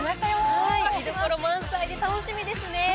見どころ満載で楽しみですね。